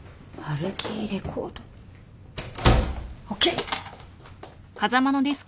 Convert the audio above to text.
ＯＫ！